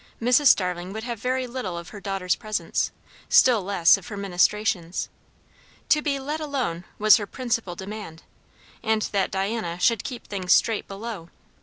Starling would have very little of her daughter's presence; still less of her ministrations. To be "let alone" was her principal demand, and that Diana should "keep things straight below."